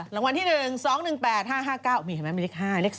รางวัลที่๑๒๑๘๕๕๙มีไหมครับมีเลข๒